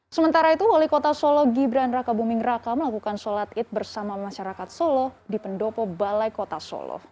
sementara itu wali kota solo gibran raka buming raka melakukan sholat id bersama masyarakat solo di pendopo balai kota solo